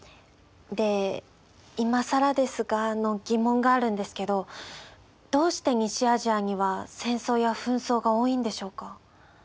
でいまさらですがの疑問があるんですけどどうして西アジアには戦争や紛争が多いんでしょうか？